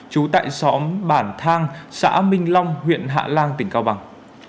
trú tại xóm bản thang xã minh long huyện hạ lan tỉnh cao bằng